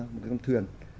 một cái căm thuyền